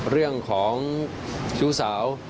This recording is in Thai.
เรื่องของชุศาล